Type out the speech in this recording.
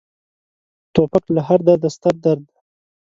توپک له هر درده ستر درد دی.